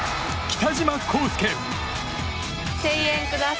北島康介。